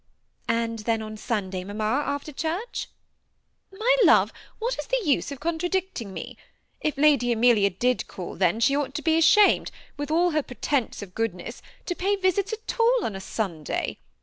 ^' And then on Sunday, mamma, after church ?"^ My love, what is the use of jocmtradicting me ? If Lady Amelia did call then, she ought to.be ashamed, with all her pretence of goodness, to pay visits at all on Sunday.